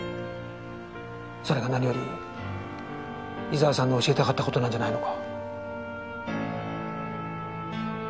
それが何より伊沢さんの教えたかった事なんじゃないのか。